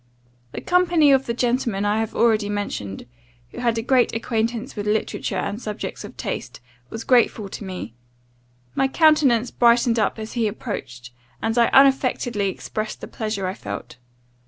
"The company of the gentleman I have already mentioned, who had a general acquaintance with literature and subjects of taste, was grateful to me; my countenance brightened up as he approached, and I unaffectedly expressed the pleasure I felt.